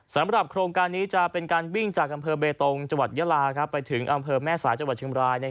สำหรับโครงการนี้จะเป็นการวิ่งจากอำเภอเบตงจังหวัดยาลาไปถึงอำเภอแม่สายจังหวัดเชียงบราย